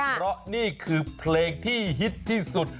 เพราะนี่คือเพลงที่ฮิตที่สุด